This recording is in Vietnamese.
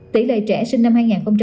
tỷ lệ trẻ sinh năm hai nghìn một mươi